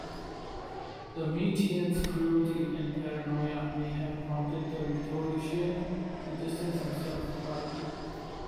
Domitian's cruelty and paranoia may have prompted the rhetorician to distance himself quietly.